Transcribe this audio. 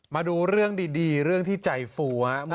มาดูเรื่องดีเรื่องที่ใจฟูครับ